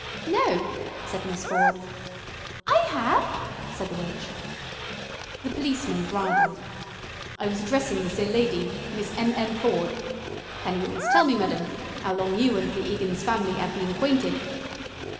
"No," said Miss Ford. "I have," said the witch. The policeman bridled. "I was addressing this 'ere lady, Miss M.M. Ford. Can you at least tell me, meddem, 'ow long you and the 'Iggins family 'ave been acquainted?"